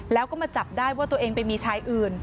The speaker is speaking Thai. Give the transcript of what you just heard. แล้วก็มาจับได้ว่าตัวเองไปมีชายอื่น